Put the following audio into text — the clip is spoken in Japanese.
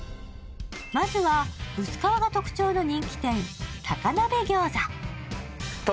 まずは薄皮が特徴の人気店うわ！